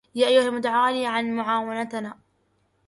يا أيها المتعالي عن معونتنا